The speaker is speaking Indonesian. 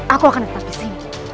aku akan tetap disini